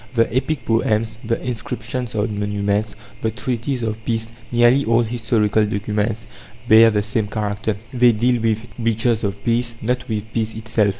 The epic poems, the inscriptions on monuments, the treaties of peace nearly all historical documents bear the same character; they deal with breaches of peace, not with peace itself.